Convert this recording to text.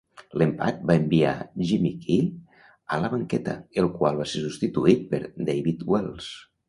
L'empat va enviar Jimmy Key a la banqueta, el qual va ser substituït per David Wells.